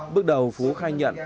bước đầu phú khai nhận